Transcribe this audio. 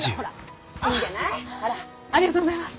ありがとうございます。